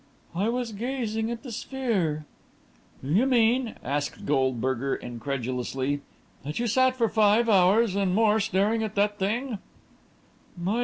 "I was gazing at the sphere." "Do you mean," asked Goldberger incredulously, "that you sat for five hours and more staring at that thing?"